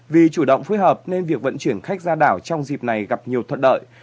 vì chủ động phối hợp nên việc vận chuyển khách ra đảo trong dịp này gặp nhiều thuận lợi